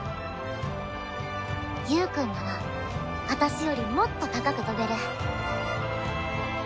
ゆーくんなら私よりもっと高く飛べる。